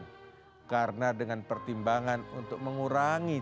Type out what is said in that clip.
saya berpikir bahwa saya akan memiliki harapan untuk menjaga keamanan mereka